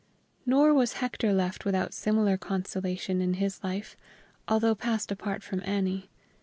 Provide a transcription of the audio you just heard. Nor was Hector left without similar consolation in his life, although passed apart from Annie.